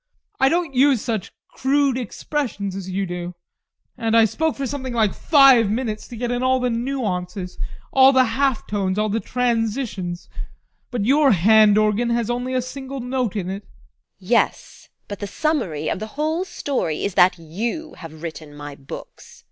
I don't use such crude expressions as you do, and I spoke for something like five minutes to get in all the nuances, all the halftones, all the transitions but your hand organ has only a single note in it. TEKLA. Yes, but the summary of the whole story is that you have written my books.